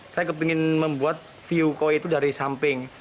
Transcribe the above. saya ingin membuat view koy itu dari samping